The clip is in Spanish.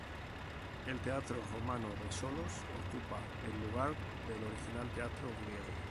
El teatro romano de Solos ocupa el lugar del original teatro griego.